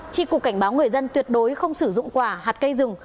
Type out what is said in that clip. tri cục cảnh báo người dân tuyệt đối không sử dụng quả hạt cây rừng